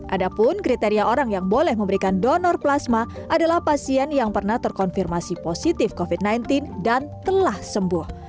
ada pun kriteria orang yang boleh memberikan donor plasma adalah pasien yang pernah terkonfirmasi positif covid sembilan belas dan telah sembuh